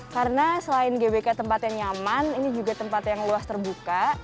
karena selain gbk tempat yang nyaman ini juga tempat yang luas terbuka